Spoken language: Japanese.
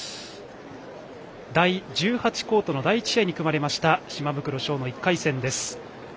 第１８コートの第１試合に組まれました島袋将の１回戦です。